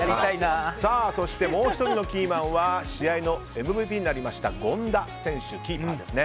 そして、もう１人のキーマンは試合のＭＶＰになりました権田選手。